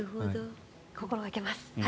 心掛けます。